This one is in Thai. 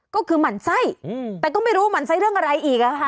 ก็คือหมั่นไส้แต่ก็ไม่รู้หมั่นไส้เรื่องอะไรอีกอะค่ะ